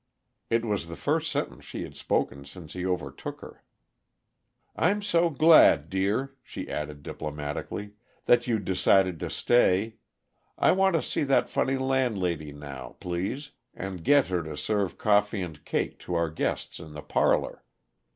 It was the first sentence she had spoken since he overtook her. "I'm so glad, dear," she added diplomatically, "that you decided to stay. I want to see that funny landlady now, please, and get her to serve coffee and cake to our guests in the parlor.